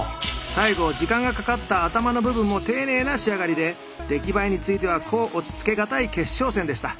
最後時間がかかった頭の部分も丁寧な仕上がりで出来栄えについては甲乙つけがたい決勝戦でした。